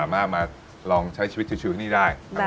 สามารถมาลองใช้ชีวิตชีวิตชีวิตแบบนี้ได้